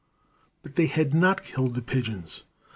But they had not killed the pigeons.